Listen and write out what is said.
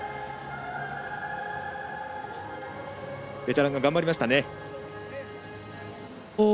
ベテランが頑張りましたね。